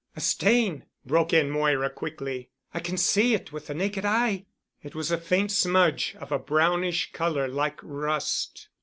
"A stain," broke in Moira quickly. "I can see it with the naked eye." It was a faint smudge, of a brownish color like rust.